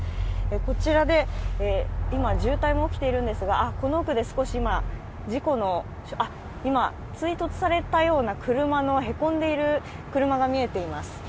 こちらで今、渋滞も起きているんですが、この奥で少し今、事故の、追突されたような車の、へこんでいる車が見えています。